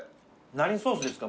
何ソースですかね？